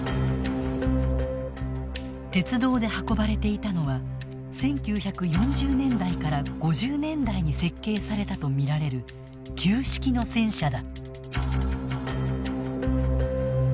鉄道で運ばれていたのは１９４０年代から５０年代に設計されたとみられる旧式の戦車だ。